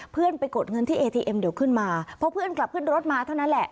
เพื่อนไปกดเงินที่เอทีเอ็มเดี๋ยวขึ้นมาพอเพื่อนกลับขึ้นรถมาเท่านั้นแหละ